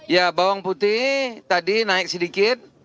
ya bawang putih tadi naik sedikit